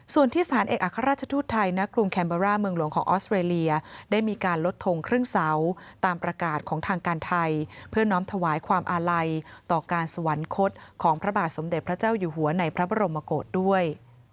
ส่วนที่สถานเอกอัครราชทูตไทยณกรุงแคมเบอร์ร่าเมืองหลวงของออสเตรเลียได้มีการลดทงครึ่งเสาตามประกาศของทางการไทยเพื่อน้อมถวายความอาลัยต่อการสวรรคตของพระบาทสมเด็จพระเจ้าอยู่หัวในพระบรมกฏด้วย